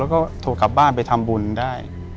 แล้วก็โทรกลับบ้านไปทำบุญได้